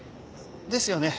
ですよね。